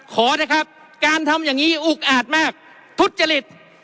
ขอนะครับการทำอย่างนี้อุกอาจมากทุจริต